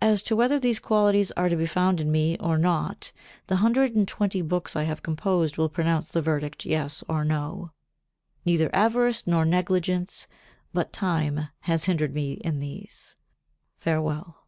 As to whether these qualities are to be found in me or not the hundred and twenty books I have composed will pronounce the verdict Yes or No. Neither avarice nor negligence, but time has hindered me in these. Farewell.